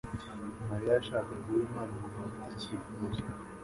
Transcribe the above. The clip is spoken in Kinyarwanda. Mariya yashakaga Uwimana umugabo ufite icyifuzo.